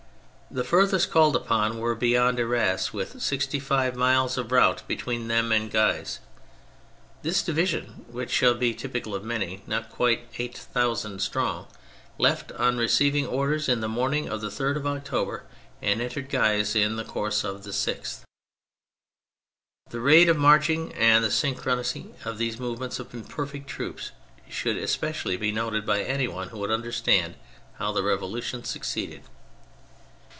The furthest called upon were beyond Arras, with sixty five miles of route between them and Guise. This division (which shall be typical of many), not quite eight thousand strong, left on receiving orders in the morning of the 3rd of October and entered Guise in the course of the 6th. The rate of marching and the synchrony of these movements of imperfect troops should especially be noted by any one who would understand how the Revolution succeeded.